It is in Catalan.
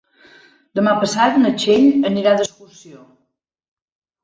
Demà passat na Txell anirà d'excursió.